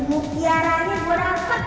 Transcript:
mutiaranya gue dapet